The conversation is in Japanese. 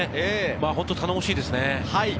本当に頼もしいですね。